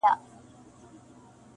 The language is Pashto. له بي بي سره ملگري سل مينځياني-